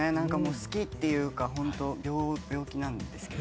好きというかホント病気なんですけど。